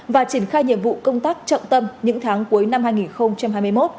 và triển khai nhiệm vụ công tác trọng tâm những tháng cuối năm hai nghìn hai mươi một